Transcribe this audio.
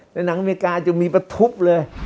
หนังอเมริกาจะมีประทุบเลย